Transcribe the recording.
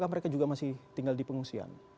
mereka juga masih tinggal di pengungsian